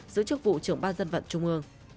giữ chức vụ trưởng ban dân vận trung mương